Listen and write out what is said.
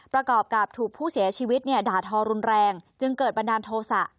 ประกอบกับถูกผู้เสียชีวิตด่าทอรุนแรงจึงเกิดบันดาลโทษะ